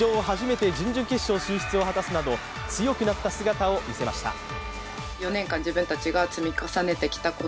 初めて準々決勝進出を果たすなど強くなった姿を見せました。